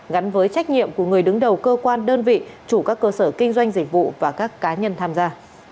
gắn với trách nhiệm của người đứng đầu cơ quan đơn vị chủ các cơ sở kinh doanh dịch vụ và các cá nhân tham gia